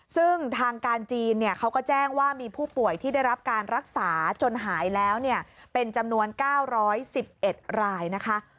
ซึ่งทางการจีนเขาก็แจ้งว่ามีผู้ป่วยที่ได้รับการรักษาจนหายแล้วเป็นจำนวน๙๑๑รายนะคะ